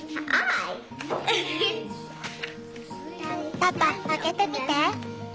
パパ開けてみて。